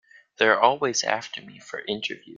They're always after me for interviews.